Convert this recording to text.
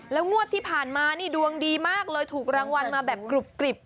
แล้วงวดที่ผ่านมานี่ดวงดีมากเลยถูกรางวัลมาแบบกรุบกริบ